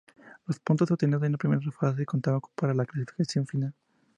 Los puntos obtenidos en la primera fase contaban para la clasificación final.